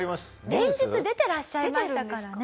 連日出てらっしゃいましたからね。